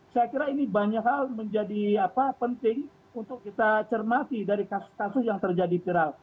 saya kira ini banyak hal menjadi penting untuk kita cermati dari kasus kasus yang terjadi viral